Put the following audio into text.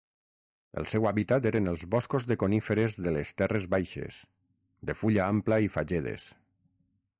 El seu hàbitat eren els boscos de coníferes de les terres baixes, de fulla ampla i fagedes.